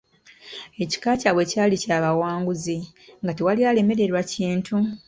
Ekika kyabwe kyali kya bawanguzi, nga tewali alemererwa kintu.